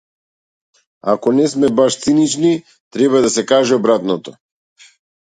Ако не сме баш циници, треба да се каже обратното.